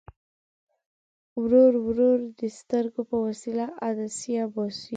ورو ورو د سترګو په وسیله عدسیه باسي.